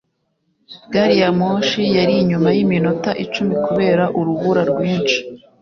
gari ya moshi yari inyuma yiminota icumi kubera urubura rwinshi